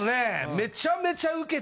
めちゃめちゃウケた。